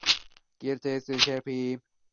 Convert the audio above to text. Gil tries to help him, but the man dies.